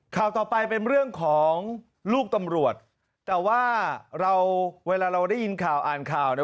ข่าวต่อไปเป็นเรื่องของลูกตำรวจแต่ว่าเราเวลาเราได้ยินข่าวอ่านข่าวเนี่ย